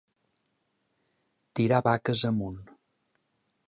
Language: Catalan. Tirar vaques amunt.